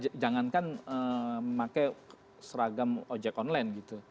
saya rasa jangankan memakai seragam ojek online